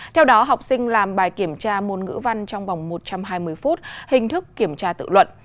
theo đó học sinh làm bài kiểm tra môn ngữ văn trong vòng một trăm hai mươi phút hình thức kiểm tra tự luận